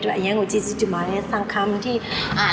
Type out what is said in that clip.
ก็ได้ต้องคุณที่อยู่ที่ไทย